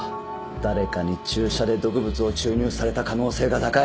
誰かに注射で毒物を注入された可能性が高い